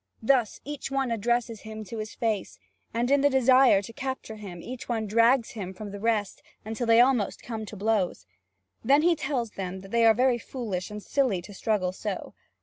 Thus each one addresses him to his face, and in the desire to capture him, each one drags him from the rest, until they almost come to blows. Then he tells them that they are very foolish and silly to struggle so.